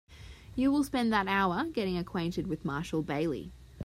You will spend that hour getting acquainted with Marshall Bailey.